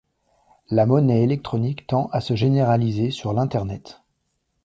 La monnaie électronique tend à se généraliser sur l'Internet.